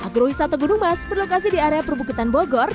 agrowisata gunung mas berlokasi di area perbukitan bogor